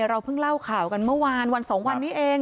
เราเพิ่งเล่าข่าวกันเมื่อวานวันสองวันนี้เอง